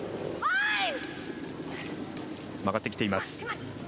曲がってきています。